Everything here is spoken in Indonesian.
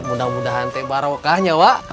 mudah mudahan teh barokahnya waa